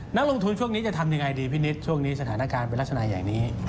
นักลงทุนช่วงนี้จะทำยังไงดีพี่นิดช่วงนี้สถานการณ์เป็นลักษณะอย่างนี้